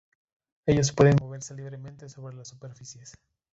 Estos pueden moverse libremente sobre las superficies.